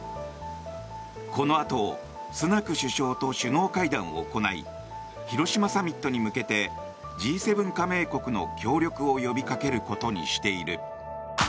このあとスナク首相と首脳会談を行い広島サミットに向けてＧ７加盟国の協力を呼びかけることにしている。